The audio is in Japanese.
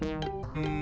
うん。